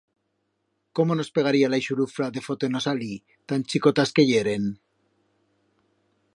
Cómo nos pegaría la ixulufra de foter-nos alí, tan chicotas que yeren?